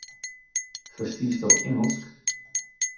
Ferstiesto Ingelsk?